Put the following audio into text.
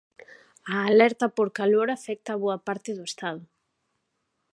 A alerta por calor afecta a boa parte do Estado.